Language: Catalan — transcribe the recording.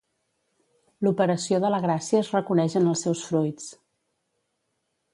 L'operació de la gràcia es reconeix en els seus fruits.